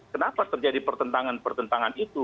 kenapa terjadi pertentangan pertentangan itu